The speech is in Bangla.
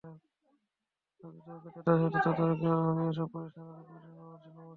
প্রকৃতপক্ষে যথাযথ তদারকির অভাবে এসব প্রতিষ্ঠান তাদের পরিচালনা পর্ষদের মর্জি মাফিকই চলছে।